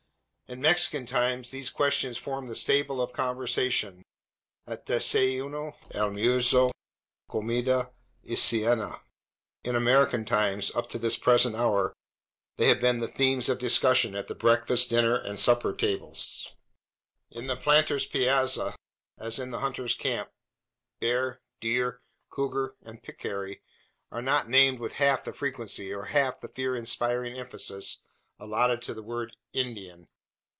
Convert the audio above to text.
In Mexican times these questions formed the staple of conversation, at desayuno, almuerzo, comida, y cena; in American times, up to this present hour, they have been the themes of discussion at the breakfast, dinner, and supper tables. In the planter's piazza, as in the hunter's camp, bear, deer, cougar, and peccary, are not named with half the frequency, or half the fear inspiring emphasis, allotted to the word "Indian."